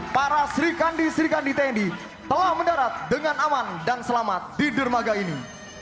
para sri kandi sri kandi tni telah mendarat dengan aman dan selamat di dermaga ini